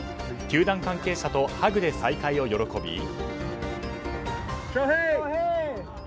球団関係者とハグで再会を喜び。